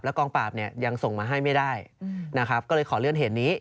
กองปราบเนี่ยยังส่งมาให้ไม่ได้นะครับก็เลยขอเลื่อนเหตุนี้